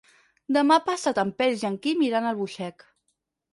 Demà passat en Peris i en Quim iran a Albuixec.